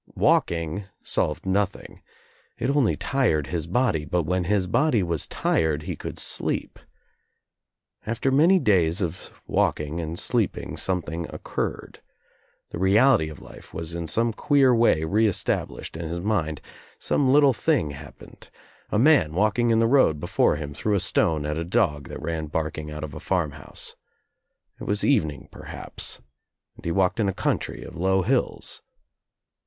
Walking solved nothing. It only tired his body, but when his body was tired he could sleep. After many days of walking and sleeping] something occurred. The reality of life was in some queer way re estab lished in his mind. Some little thing happened. A man walking in the road before him threw a stone at a dog that ran barking out of a farm house. It wa» evening perhaps, and he walked in a country of low hills.